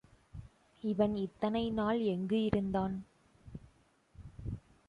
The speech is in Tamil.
இவன் இத்தனை நாள் எங்கு இருந்தான்?